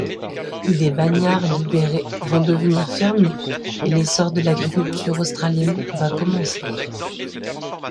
Des bagnards libérés vont devenir fermiers et l'essor de l'agriculture australienne va commencer.